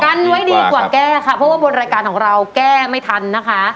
กันไว้ดีกว่าแก้ค่ะเพราะว่าบนรายการของเราแก้ไม่ทันนะคะ